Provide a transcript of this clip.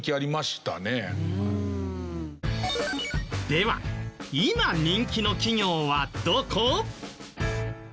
では今人気の企業はどこ？